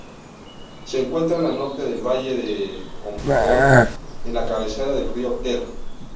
Se encuentra al norte del valle de Camprodón, en la cabecera del río Ter.